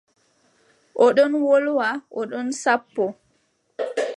O ɗon wolwa o ɗon sappoo.